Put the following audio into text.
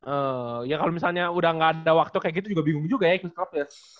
oh ya kalau misalnya udah gak ada waktu kayak gitu juga bingung juga ya ikut instrup ya